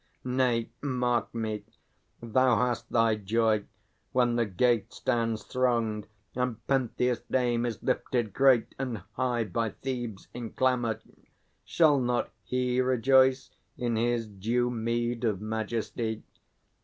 Nay, mark me! Thou hast thy joy, when the Gate Stands thronged, and Pentheus' name is lifted great And high by Thebes in clamour; shall not He Rejoice in his due meed of majesty?